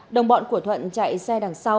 đồng bọn của thuận chạy xe đằng sau